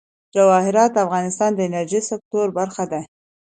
جواهرات د افغانستان د انرژۍ سکتور برخه ده.